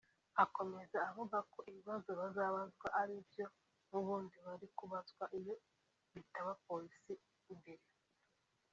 Akomeza avuga ko ibibazo bazabazwa ari ibyo n’ubundi bari kubazwa iyo bitaba Polisi mbere